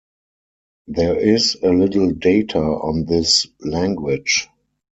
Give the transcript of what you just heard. There is little data on this language.